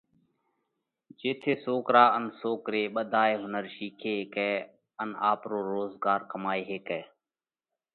جيٿئہ سوڪرا ان سوڪري ٻڌوئي هُنر شِيکي هيڪئہ ان آپرو روزڳار ڪمائي هيڪئہ۔